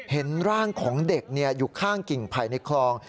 เห็นร่างของเด็กอยู่ข้างกิ่งไผ่ในคลอง